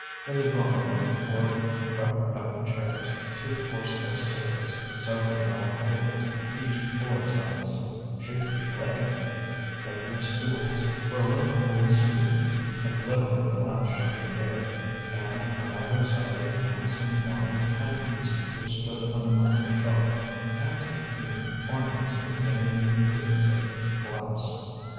In the drawing room were rep covered chairs, two horse hair sofas, several round tables, each poised on its shaky leg, fender stools, Berlin wool screens, a glittering glass chandelier, and on either side of the handsome marble time piece which stood on the mantel shelf, antique green ornaments with dangling prisms of glass.